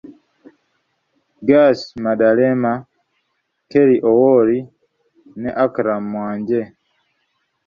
Gasi Madalema, Kerry Owori ne Akram Mwanje.